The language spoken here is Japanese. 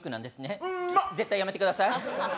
絶対にやめてください。